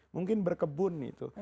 mungkin berkebun itu